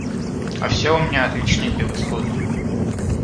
А все у меня отлично и превосходно.